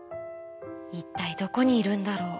いったいどこにいるんだろう」。